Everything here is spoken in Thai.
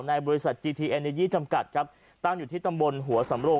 ในบริษัทจิตีแอนด์เนอเยียส์ชรรมกัดครับตั้งอยู่ที่ตามบลหัวสำโล่ง